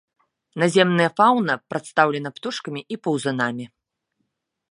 Наземная фаўна прадстаўлена птушкамі і паўзунамі.